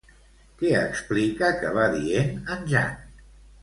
Què explica que va dient en Jan?